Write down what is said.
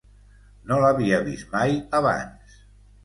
No l'havia vist mai abans.